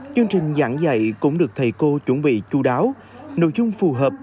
chương trình giảng dạy cũng được thầy cô chuẩn bị chú đáo nội dung phù hợp